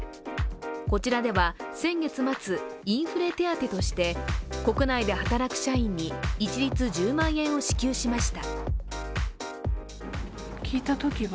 こちらでは先月末インフレ手当として国内で働く社員に一律１０万円を支給しました。